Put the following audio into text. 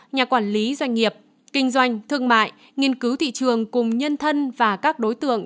nhà quản lý doanh nghiệp kinh doanh thương mại nghiên cứu thị trường cùng nhân thân và các đối tượng